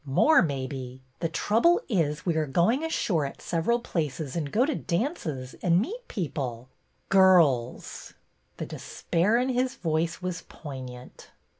More, maybe. The trouble is we are going ashore at several places and go to dances, and meet people — girls !" The despair in his voice was poignant.